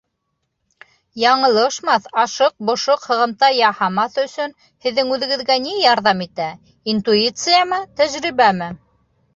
Яңылышмаҫ, ашыҡ-бошоҡ һығымта яһамаҫ өсөн һеҙҙең үҙегеҙгә ни ярҙам итә: интуициямы, тәжрибәме?